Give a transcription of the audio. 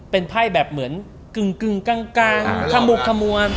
เป็นไพ่แบบเหมือนกึ่งกลางขมุกขมัว